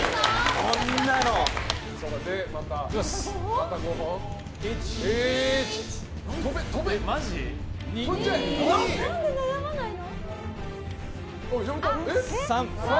何で悩まないの？